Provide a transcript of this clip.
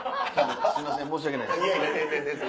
すいません申し訳ないです。